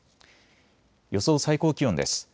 予想最高気温です。